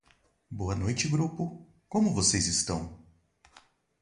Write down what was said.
Boa noite grupo, como vocês estão?